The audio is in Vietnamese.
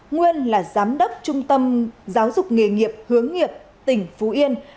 nguyên là giám đốc trung tâm giáo dục nghề nghiệp hướng nghiệp tỉnh phú yên